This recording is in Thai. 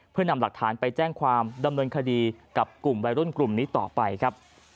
เพื่อนำหลักฐานไปแจ้งความดำเนินคดีกับกลุ่มวัยรุ่นกลุ่มนี้ต่อไปครับ